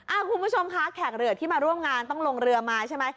คุณผู้ชมคะแขกเรือที่มาร่วมงานต้องลงเรือมาใช่ไหม